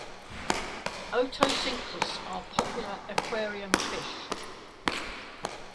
"Otocinclus" are popular aquarium fish.